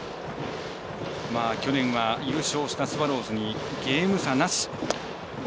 去年は優勝したスワローズにゲーム差なし